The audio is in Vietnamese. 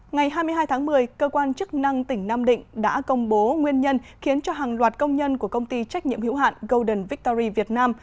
ngày hai mươi hai tháng một mươi cơ quan chức năng tỉnh nam định đã công bố nguyên nhân khiến cho hàng loạt công nhân của công ty trách nhiệm hữu hạn golden victory việt nam